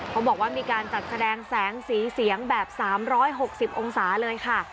เขาบอกว่ามีการจัดแสดงแสงสีเสียงแบบ๓๖๐องศาเลยค่ะ